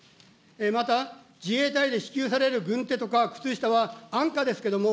また、自衛隊に支給される軍手とか靴下は安価ですけども、